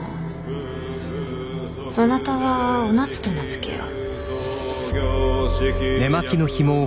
そなたはお夏と名付けよう。